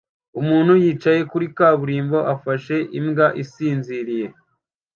Umuntu yicaye kuri kaburimbo afashe imbwa isinziriye